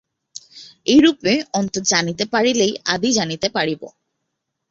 এইরূপে অন্ত জানিতে পারিলেই আদি জানিতে পারিব।